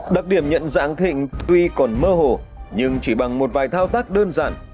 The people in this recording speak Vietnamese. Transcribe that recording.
đặc điểm nhận dạng thịnh tuy còn mơ hồ nhưng chỉ bằng một vài thao tác đơn giản